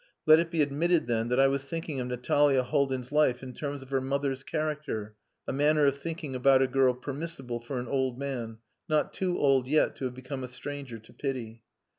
Let it be admitted, then, that I was thinking of Natalia Haldin's life in terms of her mother's character, a manner of thinking about a girl permissible for an old man, not too old yet to have become a stranger to pity.